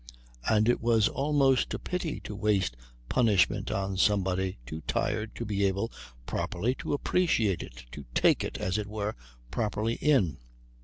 And it was almost a pity to waste punishment on somebody too tired to be able properly to appreciate it, to take it, as it were, properly in.